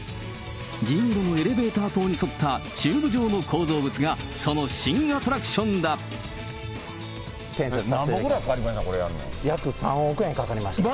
銀色のエレベーター塔に沿ったチューブ状の構造物が、その新アトなんぼぐらいかかりました？